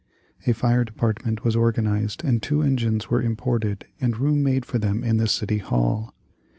A fire department was organized and two engines were imported and room made for them in the City Hall.